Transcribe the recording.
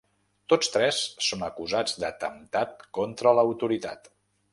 Tots tres són acusats d’atemptat contra l’autoritat.